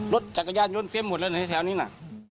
รถจักรยานยนต์เสียหมดแล้วในแถวนี้น่ะ